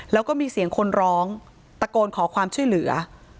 แล้วก็มีเสียงคนร้องตะโกนขอความช่วยเหลือ